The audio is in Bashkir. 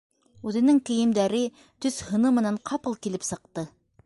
Үҙенең кейемдәре, төҫ- һыны менән ҡапыл килеп сыҡты.